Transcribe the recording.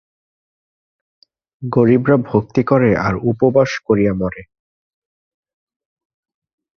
গরিবরা ভক্তি করে আর উপবাস করিয়া মরে।